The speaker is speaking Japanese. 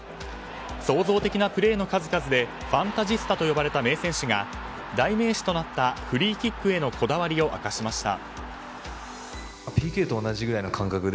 創造的なプレーの数々でファンタジスタと呼ばれた名選手が、代名詞となったフリーキックへのこだわりを明かしました。